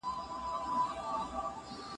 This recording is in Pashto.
د ژمي په موسم کې هوا زیاته سړه وي.